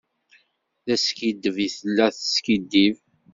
D askiddeb i tella tiskiddib.